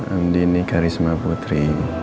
andin karisma putri